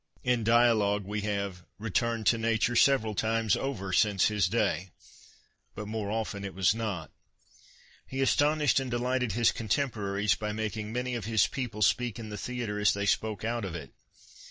(In dialogue we have " returned to nature " several times over since his day.) But more often it was not. He astonished and delighted his contemporaries by making many of his people speak in the theatre as they spoke out of it.